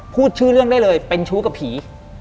พูดชื่อเรื่องได้เลยเป็นชู้กับผี